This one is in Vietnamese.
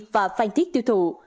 và phan thiết tiêu thụ